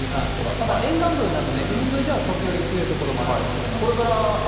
ただ沿岸部など、海沿いでは時折、強い所もあるかもしれませんけれども。